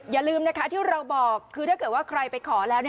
อย่าลืมนะคะที่เราบอกคือถ้าเกิดว่าใครไปขอแล้ว